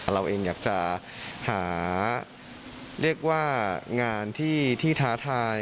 เราเองอยากจะหาเรียกว่างานที่ท้าทาย